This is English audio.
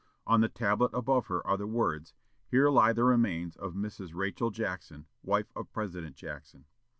On the tablet above her are the words, "Here lie the remains of Mrs. Rachel Jackson, wife of President Jackson....